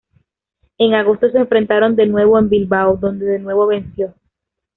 En agosto se enfrentaron de nuevo en Bilbao, donde de nuevo venció.